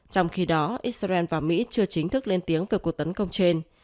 trong khi đó israel và mỹ chưa chính thức lên tiếng về cuộc tấn công trên